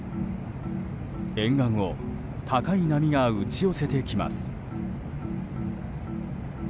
沿岸を高い波が打ち寄せてきます。